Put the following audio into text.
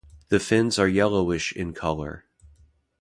The fins are yellowish in colour.